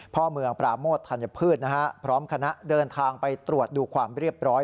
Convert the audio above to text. พ่อเมืองปราโมทธัญพืชนะฮะพร้อมคณะเดินทางไปตรวจดูความเรียบร้อย